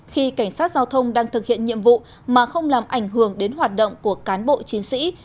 khi cảnh sát giao thông đang thực hiện nhiệm vụ mà không làm ảnh hưởng đến hoạt động của cán bộ chiến sĩ